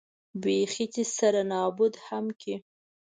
بېخي چې سره نابود هم کړي.